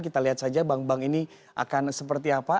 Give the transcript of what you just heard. kita lihat saja bank bank ini akan seperti apa